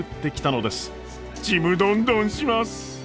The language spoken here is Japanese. ちむどんどんします！